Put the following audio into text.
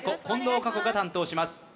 近藤夏子が担当します